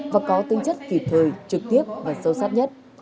và có tinh chất kịp thời trực tiếp và sâu sát nhất